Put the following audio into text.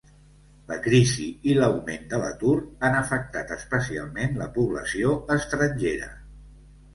La crisi i l'augment de l'atur han afectat especialment la població estrangera.